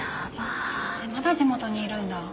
えっまだ地元にいるんだ。